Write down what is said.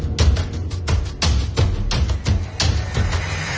แล้วก็พอเล่ากับเขาก็คอยจับอย่างนี้ครับ